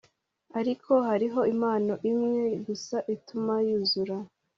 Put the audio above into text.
ariko hariho impano imwe gusa ituma yuzura